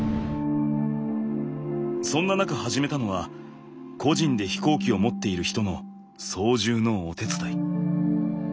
そんな中始めたのは個人で飛行機を持っている人の操縦のお手伝い。